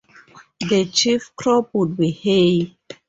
The chief crop would be hay.